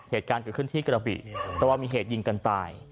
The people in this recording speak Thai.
เหตุการณ์เกิดขึ้นที่กระบิเพราะว่ามีเหตุยิงกันตาย